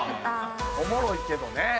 おもろいけどね。